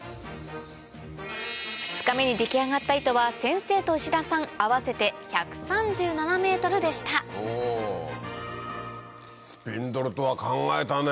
２日目に出来上がった糸は先生と石田さん合わせてスピンドルとは考えたね。